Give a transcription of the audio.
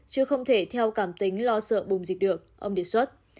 chứ không thể theo cảm tính lo sợ bùng dịch được ông đề xuất